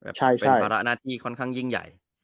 เป็นภาระหน้าที่ค่อนข้างยิ่งใหญ่